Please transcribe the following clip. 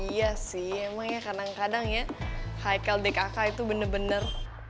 iya sih emang ya kadang kadang ya haikal dkk itu bener bener